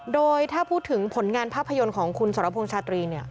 โดยถ้าพูดถึงผลงานภาพยนตร์ของคุณสรพงษ์ชาตรีเนี่ย